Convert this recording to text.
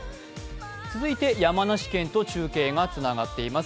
続いて山梨県と中継がつながっています。